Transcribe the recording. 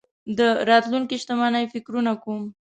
د راتلونکې شتمنۍ فکرونه کوم.